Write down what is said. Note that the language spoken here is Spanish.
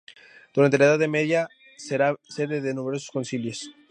Durante la Edad Media será sede de numerosos concilios.